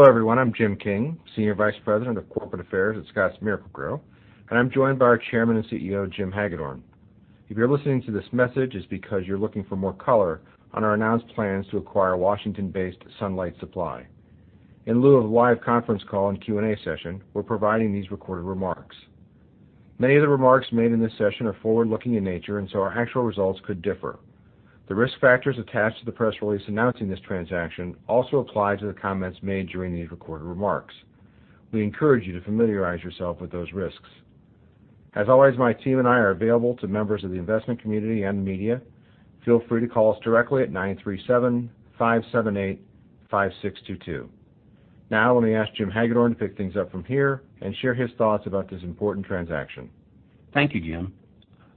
Hello, everyone. I'm Jim King, Senior Vice President of Corporate Affairs at Scotts Miracle-Gro, and I'm joined by our Chairman and Chief Executive Officer, Jim Hagedorn. If you're listening to this message, it's because you're looking for more color on our announced plans to acquire Washington-based Sunlight Supply. In lieu of a live conference call and Q&A session, we're providing these recorded remarks. Many of the remarks made in this session are forward-looking in nature. Our actual results could differ. The risk factors attached to the press release announcing this transaction also apply to the comments made during these recorded remarks. We encourage you to familiarize yourself with those risks. As always, my team and I are available to members of the investment community and the media. Feel free to call us directly at 937-578-5622. Let me ask Jim Hagedorn to pick things up from here and share his thoughts about this important transaction. Thank you, Jim.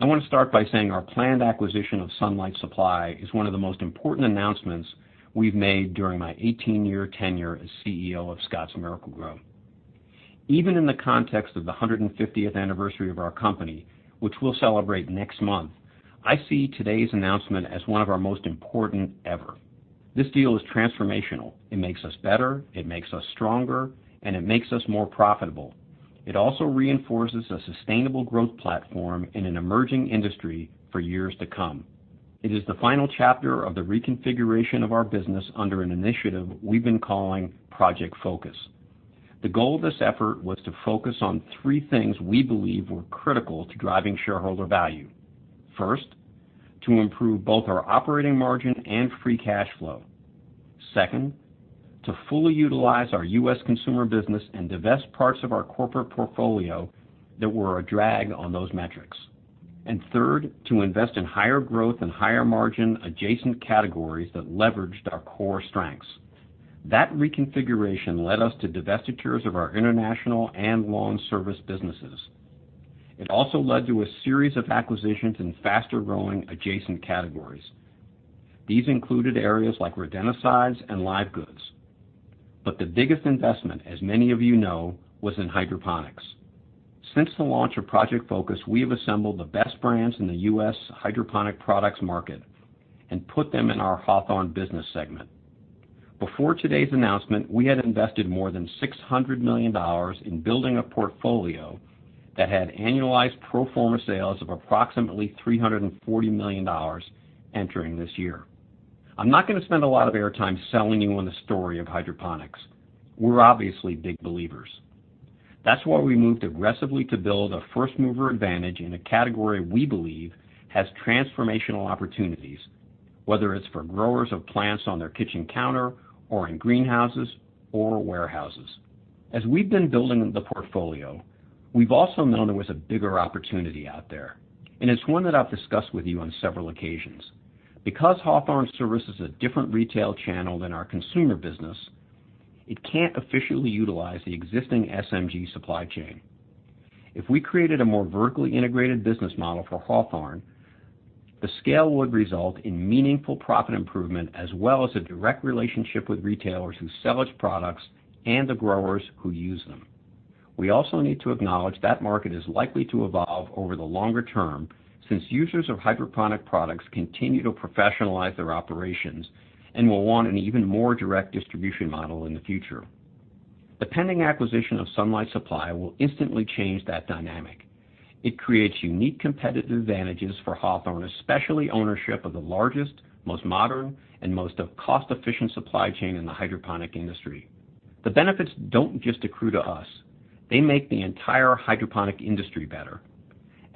I want to start by saying our planned acquisition of Sunlight Supply is one of the most important announcements we've made during my 18-year tenure as CEO of Scotts Miracle-Gro. Even in the context of the 150th anniversary of our company, which we'll celebrate next month, I see today's announcement as one of our most important ever. This deal is transformational. It makes us better, it makes us stronger, and it makes us more profitable. It also reinforces a sustainable growth platform in an emerging industry for years to come. It is the final chapter of the reconfiguration of our business under an initiative we've been calling Project Focus. The goal of this effort was to focus on three things we believe were critical to driving shareholder value. First, to improve both our operating margin and free cash flow. Second, to fully utilize our U.S. consumer business and divest parts of our corporate portfolio that were a drag on those metrics. Third, to invest in higher growth and higher margin adjacent categories that leveraged our core strengths. That reconfiguration led us to divestitures of our international and lawn service businesses. It also led to a series of acquisitions in faster-growing adjacent categories. These included areas like rodenticides and live goods. The biggest investment, as many of you know, was in hydroponics. Since the launch of Project Focus, we have assembled the best brands in the U.S. hydroponic products market and put them in our Hawthorne Business segment. Before today's announcement, we had invested more than $600 million in building a portfolio that had annualized pro forma sales of approximately $340 million entering this year. I'm not going to spend a lot of airtime selling you on the story of hydroponics. We're obviously big believers. That's why we moved aggressively to build a first-mover advantage in a category we believe has transformational opportunities, whether it's for growers of plants on their kitchen counter or in greenhouses or warehouses. As we've been building the portfolio, we've also known there was a bigger opportunity out there. It's one that I've discussed with you on several occasions. Because Hawthorne services a different retail channel than our consumer business, it can't officially utilize the existing SMG supply chain. If we created a more vertically integrated business model for Hawthorne, the scale would result in meaningful profit improvement, as well as a direct relationship with retailers who sell its products and the growers who use them. We also need to acknowledge that market is likely to evolve over the longer term, since users of hydroponic products continue to professionalize their operations and will want an even more direct distribution model in the future. The pending acquisition of Sunlight Supply will instantly change that dynamic. It creates unique competitive advantages for Hawthorne, especially ownership of the largest, most modern, and most cost-efficient supply chain in the hydroponic industry. The benefits don't just accrue to us. They make the entire hydroponic industry better.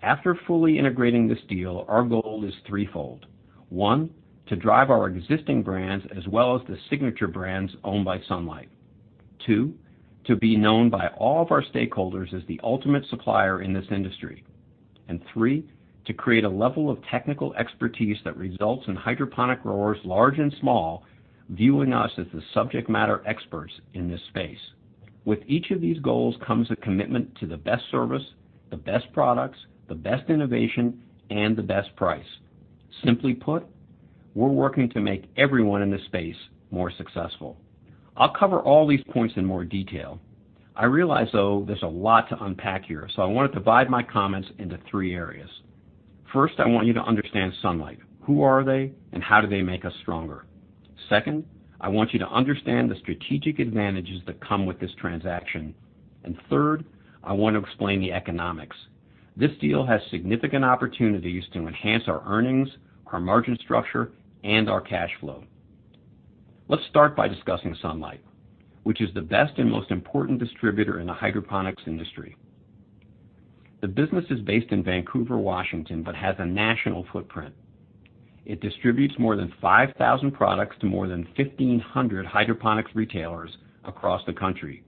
After fully integrating this deal, our goal is threefold. One, to drive our existing brands as well as the signature brands owned by Sunlight. Two, to be known by all of our stakeholders as the ultimate supplier in this industry. Three, to create a level of technical expertise that results in hydroponic growers, large and small, viewing us as the subject matter experts in this space. With each of these goals comes a commitment to the best service, the best products, the best innovation, and the best price. Simply put, we're working to make everyone in this space more successful. I'll cover all these points in more detail. I realize, though, there's a lot to unpack here, so I want to divide my comments into three areas. First, I want you to understand Sunlight. Who are they, and how do they make us stronger? Second, I want you to understand the strategic advantages that come with this transaction. Third, I want to explain the economics. This deal has significant opportunities to enhance our earnings, our margin structure, and our cash flow. Let's start by discussing Sunlight, which is the best and most important distributor in the hydroponics industry. The business is based in Vancouver, Washington, but has a national footprint. It distributes more than 5,000 products to more than 1,500 hydroponics retailers across the country.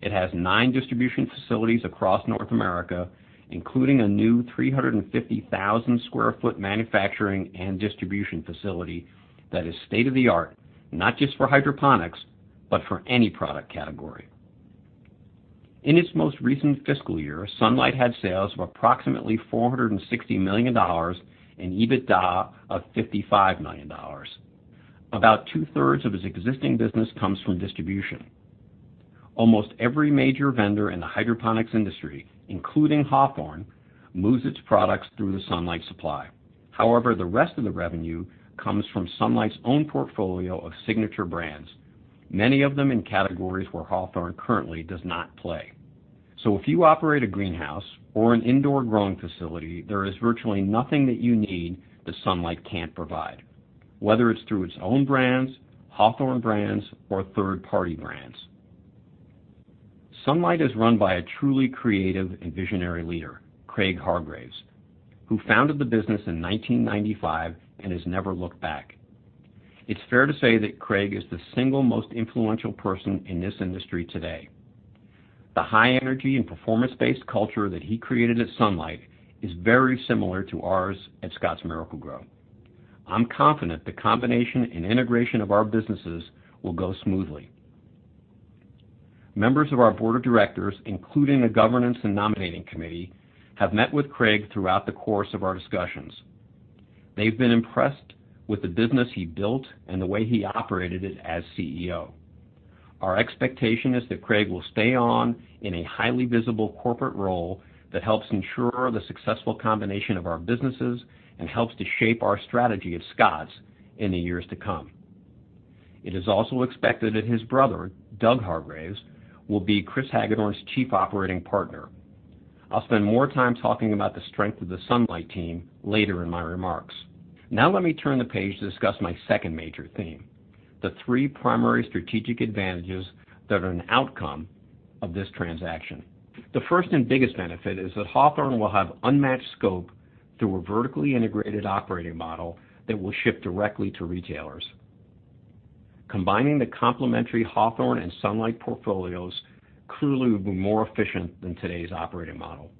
It has nine distribution facilities across North America, including a new 350,000 sq ft manufacturing and distribution facility that is state-of-the-art, not just for hydroponics, but for any product category. In its most recent fiscal year, Sunlight had sales of approximately $460 million and EBITDA of $55 million. About two-thirds of its existing business comes from distribution. Almost every major vendor in the hydroponics industry, including Hawthorne, moves its products through the Sunlight Supply. However, the rest of the revenue comes from Sunlight's own portfolio of signature brands, many of them in categories where Hawthorne currently does not play. If you operate a greenhouse or an indoor growing facility, there is virtually nothing that you need that Sunlight can't provide, whether it's through its own brands, Hawthorne brands, or third-party brands. Sunlight is run by a truly creative and visionary leader, Craig Hargreaves, who founded the business in 1995 and has never looked back. It's fair to say that Craig is the single most influential person in this industry today. The high energy and performance-based culture that he created at Sunlight is very similar to ours at Scotts Miracle-Gro. I'm confident the combination and integration of our businesses will go smoothly. Members of our board of directors, including the governance and nominating committee, have met with Craig throughout the course of our discussions. They've been impressed with the business he built and the way he operated it as CEO. Our expectation is that Craig will stay on in a highly visible corporate role that helps ensure the successful combination of our businesses and helps to shape our strategy at Scotts in the years to come. It is also expected that his brother, Doug Hargreaves, will be Chris Hagedorn's chief operating partner. I'll spend more time talking about the strength of the Sunlight team later in my remarks. Let me turn the page to discuss my second major theme, the three primary strategic advantages that are an outcome of this transaction. The first and biggest benefit is that Hawthorne will have unmatched scope through a vertically integrated operating model that will ship directly to retailers. Combining the complementary Hawthorne and Sunlight portfolios clearly will be more efficient than today's operating model.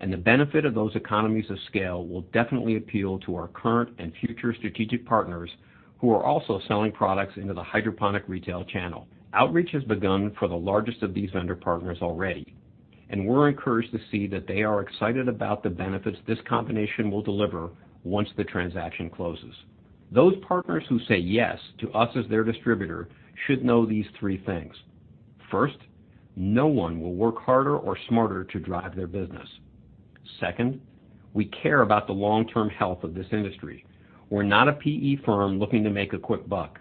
The benefit of those economies of scale will definitely appeal to our current and future strategic partners who are also selling products into the hydroponic retail channel. Outreach has begun for the largest of these vendor partners already, and we're encouraged to see that they are excited about the benefits this combination will deliver once the transaction closes. Those partners who say yes to us as their distributor should know these three things. First, no one will work harder or smarter to drive their business. Second, we care about the long-term health of this industry. We're not a PE firm looking to make a quick buck.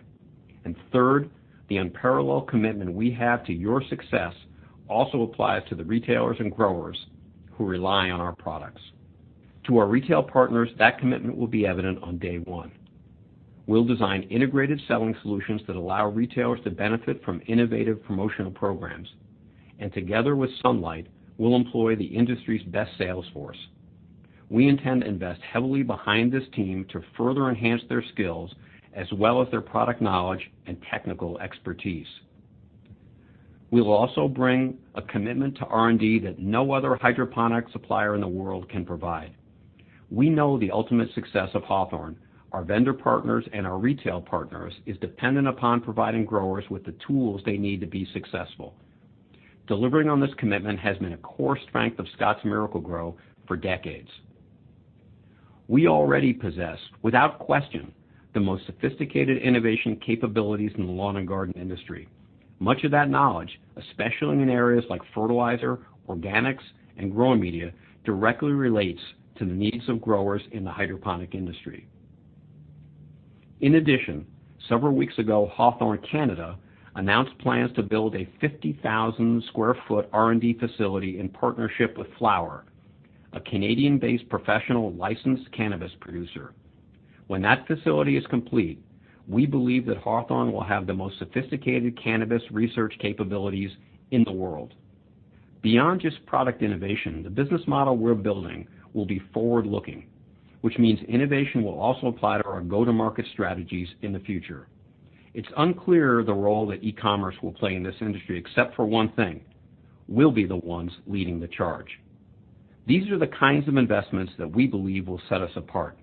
Third, the unparalleled commitment we have to your success also applies to the retailers and growers who rely on our products. To our retail partners, that commitment will be evident on day one. We'll design integrated selling solutions that allow retailers to benefit from innovative promotional programs. Together with Sunlight, we'll employ the industry's best sales force. We intend to invest heavily behind this team to further enhance their skills, as well as their product knowledge and technical expertise. We will also bring a commitment to R&D that no other hydroponic supplier in the world can provide. We know the ultimate success of Hawthorne, our vendor partners, and our retail partners is dependent upon providing growers with the tools they need to be successful. Delivering on this commitment has been a core strength of Scotts Miracle-Gro for decades. We already possess, without question, the most sophisticated innovation capabilities in the lawn and garden industry. Much of that knowledge, especially in areas like fertilizer, organics, and growing media, directly relates to the needs of growers in the hydroponic industry. In addition, several weeks ago, Hawthorne Canada announced plans to build a 50,000 sq ft R&D facility in partnership with Flowr, a Canadian-based professional licensed cannabis producer. When that facility is complete, we believe that Hawthorne will have the most sophisticated cannabis research capabilities in the world. Beyond just product innovation, the business model we're building will be forward-looking, which means innovation will also apply to our go-to-market strategies in the future. It's unclear the role that e-commerce will play in this industry, except for one thing: We'll be the ones leading the charge. These are the kinds of investments that we believe will set us apart.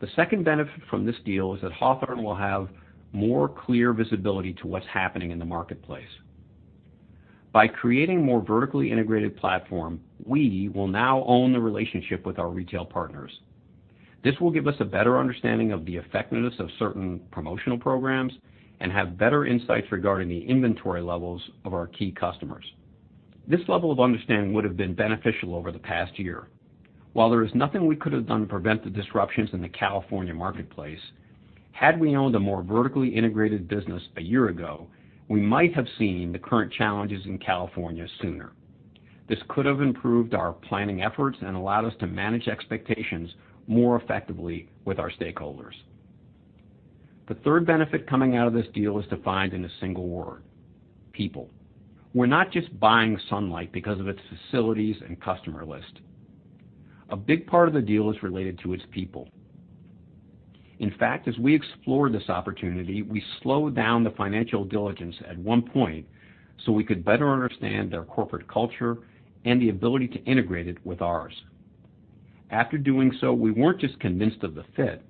The second benefit from this deal is that Hawthorne will have more clear visibility to what's happening in the marketplace. By creating a more vertically integrated platform, we will now own the relationship with our retail partners. This will give us a better understanding of the effectiveness of certain promotional programs and have better insights regarding the inventory levels of our key customers. This level of understanding would have been beneficial over the past year. While there is nothing we could have done to prevent the disruptions in the California marketplace, had we owned a more vertically integrated business a year ago, we might have seen the current challenges in California sooner. This could have improved our planning efforts and allowed us to manage expectations more effectively with our stakeholders. The third benefit coming out of this deal is defined in a single word: people. We're not just buying Sunlight because of its facilities and customer list. A big part of the deal is related to its people. In fact, as we explored this opportunity, we slowed down the financial diligence at one point so we could better understand their corporate culture and the ability to integrate it with ours. After doing so, we weren't just convinced of the fit,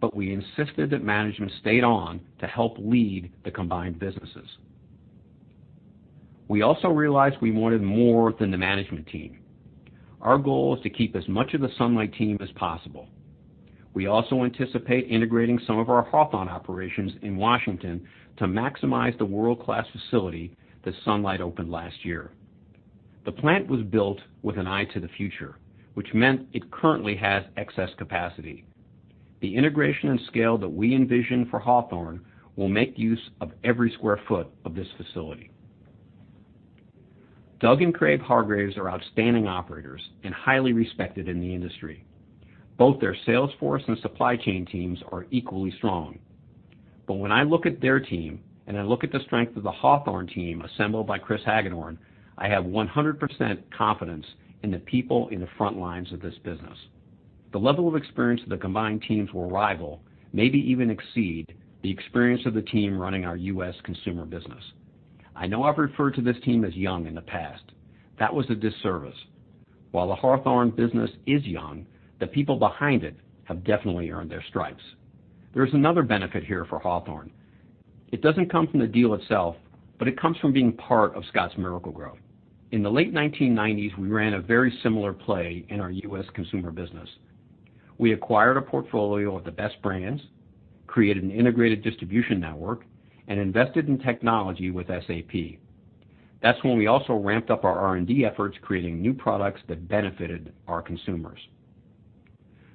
but we insisted that management stayed on to help lead the combined businesses. We also realized we wanted more than the management team. Our goal is to keep as much of the Sunlight team as possible. We also anticipate integrating some of our Hawthorne operations in Washington to maximize the world-class facility that Sunlight opened last year. The plant was built with an eye to the future, which meant it currently has excess capacity. The integration and scale that we envision for Hawthorne will make use of every square foot of this facility. Doug and Craig Hargreaves are outstanding operators and highly respected in the industry. When I look at their team and I look at the strength of the Hawthorne team assembled by Chris Hagedorn, I have 100% confidence in the people in the front lines of this business. The level of experience the combined teams will rival, maybe even exceed, the experience of the team running our U.S. consumer business. I know I've referred to this team as young in the past. That was a disservice. While the Hawthorne business is young, the people behind it have definitely earned their stripes. There is another benefit here for Hawthorne. It doesn't come from the deal itself, but it comes from being part of Scotts Miracle-Gro. In the late 1990s, we ran a very similar play in our U.S. consumer business. We acquired a portfolio of the best brands, created an integrated distribution network, and invested in technology with SAP. That's when we also ramped up our R&D efforts, creating new products that benefited our consumers.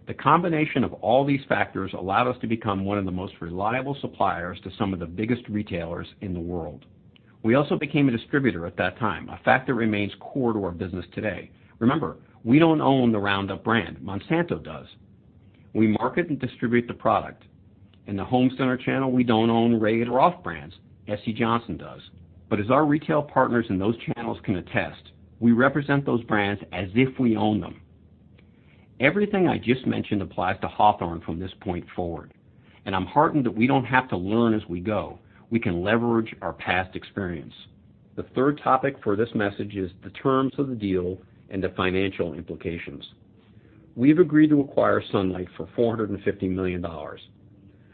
The combination of all these factors allowed us to become one of the most reliable suppliers to some of the biggest retailers in the world. We also became a distributor at that time, a fact that remains core to our business today. Remember, we don't own the Roundup brand. Monsanto does. We market and distribute the product. In the home center channel, we don't own Raid or OFF! brands. SC Johnson does. As our retail partners in those channels can attest, we represent those brands as if we own them. Everything I just mentioned applies to Hawthorne from this point forward, and I'm heartened that we don't have to learn as we go. We can leverage our past experience. The third topic for this message is the terms of the deal and the financial implications. We've agreed to acquire Sunlight Supply for $450 million.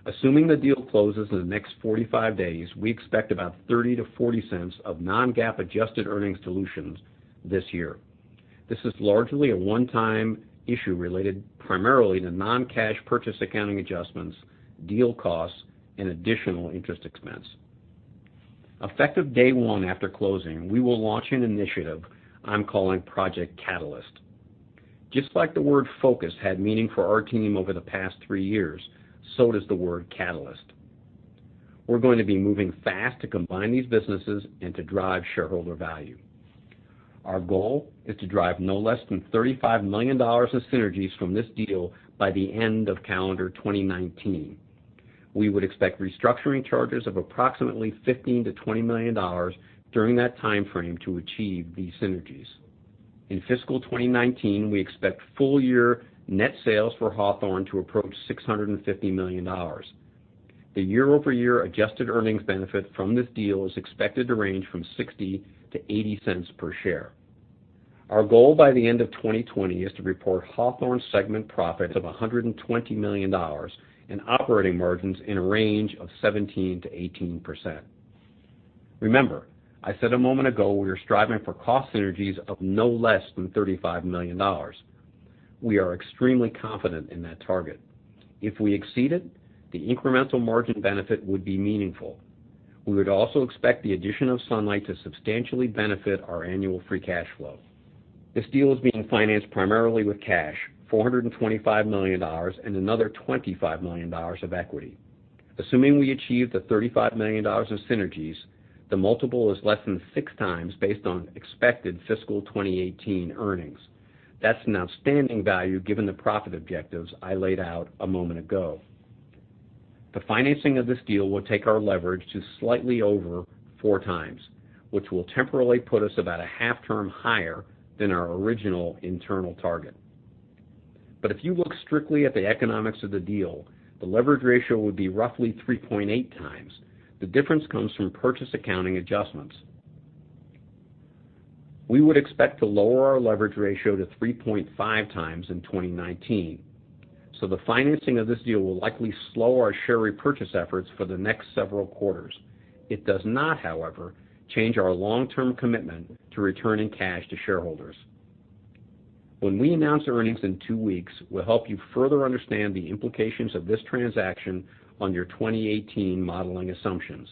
Assuming the deal closes in the next 45 days, we expect about $0.30-$0.40 of non-GAAP adjusted earnings dilution this year. This is largely a one-time issue related primarily to non-cash purchase accounting adjustments, deal costs, and additional interest expense. Effective day one after closing, we will launch an initiative I'm calling Project Catalyst. Just like the word Project Focus had meaning for our team over the past three years, so does the word catalyst. We're going to be moving fast to combine these businesses and to drive shareholder value. Our goal is to drive no less than $35 million of synergies from this deal by the end of calendar 2019. We would expect restructuring charges of approximately $15 million-$20 million during that timeframe to achieve these synergies. In fiscal 2019, we expect full year net sales for Hawthorne to approach $650 million. The year-over-year adjusted earnings benefit from this deal is expected to range from $0.60-$0.80 per share. Our goal by the end of 2020 is to report Hawthorne segment profits of $120 million and operating margins in a range of 17%-18%. Remember, I said a moment ago we are striving for cost synergies of no less than $35 million. We are extremely confident in that target. If we exceed it, the incremental margin benefit would be meaningful. We would also expect the addition of Sunlight Supply to substantially benefit our annual free cash flow. This deal is being financed primarily with cash, $425 million and another $25 million of equity. Assuming we achieve the $35 million of synergies, the multiple is less than 6 times based on expected fiscal 2018 earnings. That's an outstanding value given the profit objectives I laid out a moment ago. The financing of this deal will take our leverage to slightly over 4 times, which will temporarily put us about a half term higher than our original internal target. If you look strictly at the economics of the deal, the leverage ratio would be roughly 3.8 times. The difference comes from purchase accounting adjustments. We would expect to lower our leverage ratio to 3.5 times in 2019, so the financing of this deal will likely slow our share repurchase efforts for the next several quarters. It does not, however, change our long-term commitment to returning cash to shareholders. When we announce earnings in 2 weeks, we'll help you further understand the implications of this transaction on your 2018 modeling assumptions.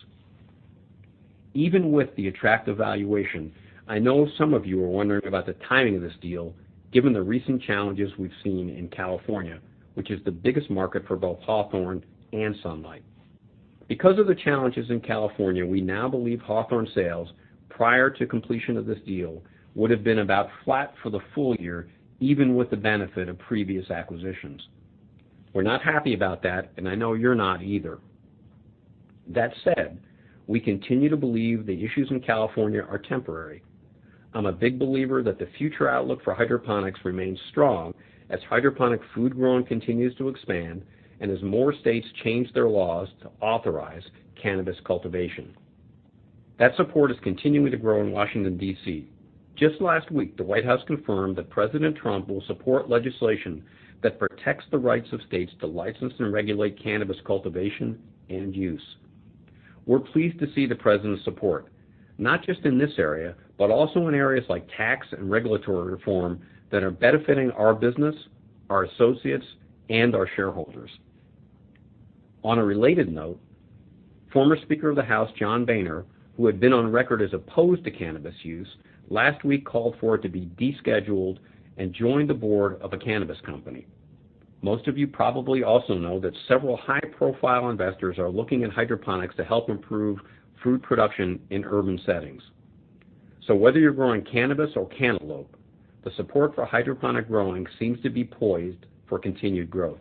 Even with the attractive valuation, I know some of you are wondering about the timing of this deal, given the recent challenges we've seen in California, which is the biggest market for both Hawthorne and Sunlight. Because of the challenges in California, we now believe Hawthorne sales, prior to completion of this deal, would have been about flat for the full year, even with the benefit of previous acquisitions. We're not happy about that, and I know you're not either. That said, we continue to believe the issues in California are temporary. I'm a big believer that the future outlook for hydroponics remains strong as hydroponic food growing continues to expand and as more states change their laws to authorize cannabis cultivation. That support is continuing to grow in Washington, D.C. Just last week, the White House confirmed that President Trump will support legislation that protects the rights of states to license and regulate cannabis cultivation and use. We're pleased to see the president's support, not just in this area, but also in areas like tax and regulatory reform that are benefiting our business, our associates, and our shareholders. On a related note, former Speaker of the House John Boehner, who had been on record as opposed to cannabis use, last week called for it to be descheduled and joined the board of a cannabis company. Most of you probably also know that several high-profile investors are looking at hydroponics to help improve food production in urban settings. Whether you're growing cannabis or cantaloupe, the support for hydroponic growing seems to be poised for continued growth.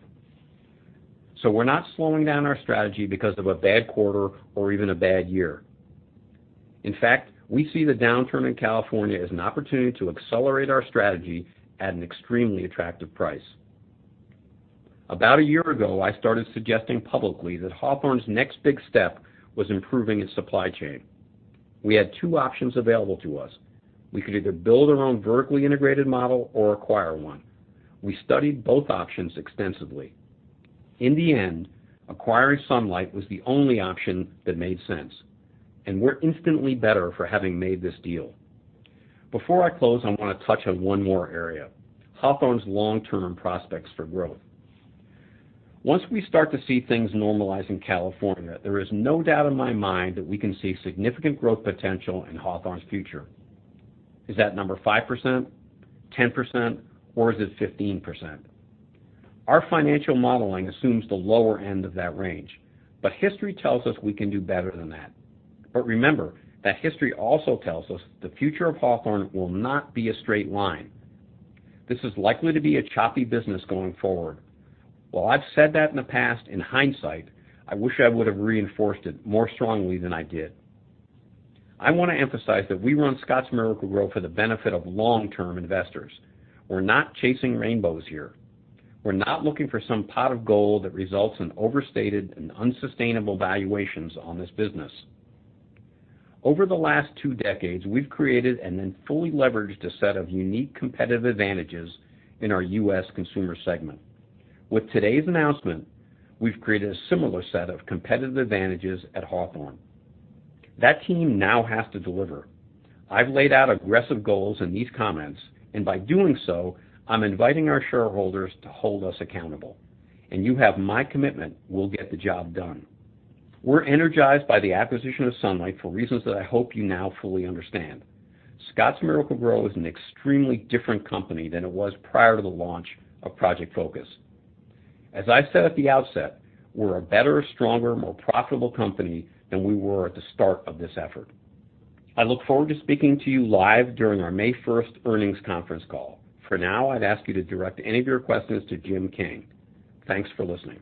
We're not slowing down our strategy because of a bad quarter or even a bad year. In fact, we see the downturn in California as an opportunity to accelerate our strategy at an extremely attractive price. About a year ago, I started suggesting publicly that Hawthorne's next big step was improving its supply chain. We had two options available to us. We could either build our own vertically integrated model or acquire one. We studied both options extensively. In the end, acquiring Sunlight was the only option that made sense, and we're instantly better for having made this deal. Before I close, I want to touch on one more area, Hawthorne's long-term prospects for growth. Once we start to see things normalize in California, there is no doubt in my mind that we can see significant growth potential in Hawthorne's future. Is that number 5%, 10%, or is it 15%? Our financial modeling assumes the lower end of that range, but history tells us we can do better than that. Remember that history also tells us the future of Hawthorne will not be a straight line. This is likely to be a choppy business going forward. While I've said that in the past, in hindsight, I wish I would have reinforced it more strongly than I did. I want to emphasize that we run Scotts Miracle-Gro for the benefit of long-term investors. We're not chasing rainbows here. We're not looking for some pot of gold that results in overstated and unsustainable valuations on this business. Over the last two decades, we've created and then fully leveraged a set of unique competitive advantages in our U.S. consumer segment. With today's announcement, we've created a similar set of competitive advantages at Hawthorne. That team now has to deliver. I've laid out aggressive goals in these comments. By doing so, I'm inviting our shareholders to hold us accountable. You have my commitment we'll get the job done. We're energized by the acquisition of Sunlight for reasons that I hope you now fully understand. Scotts Miracle-Gro is an extremely different company than it was prior to the launch of Project Focus. As I said at the outset, we're a better, stronger, more profitable company than we were at the start of this effort. I look forward to speaking to you live during our May 1st earnings conference call. For now, I'd ask you to direct any of your questions to Jim King. Thanks for listening.